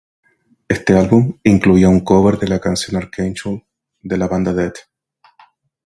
Este álbum incluía un cover de la canción "Archangel" de la banda Death.